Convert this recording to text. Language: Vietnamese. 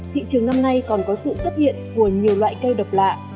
thị trường năm nay còn có sự xuất hiện của nhiều loại keo độc lạ